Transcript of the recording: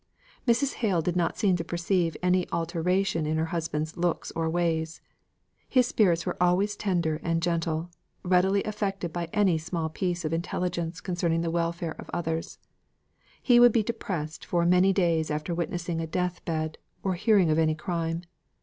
Mrs. Hale did not seem to perceive any alteration in her husband's looks or ways. His spirits were tender and gentle, readily affected by any small piece of intelligence concerning the welfare of others. He would be depressed for many days after witnessing a death bed, or hearing of any crime.